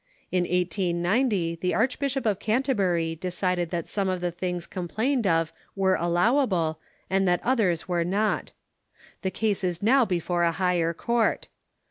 In 1890 the Archbishop of Canterbury decided that some of the things complained of were allowable, and that others Avere not. The case is now before a higher court.